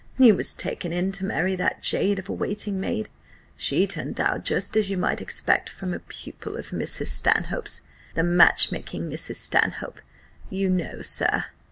He was taken in to marry that jade of a waiting maid; she turned out just as you might expect from a pupil of Mrs. Stanhope's the match making Mrs. Stanhope you know, sir."